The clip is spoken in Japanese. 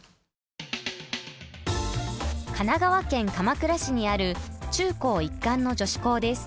神奈川県鎌倉市にある中高一貫の女子校です。